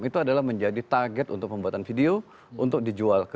itu adalah menjadi target untuk pembuatan video untuk dijual ke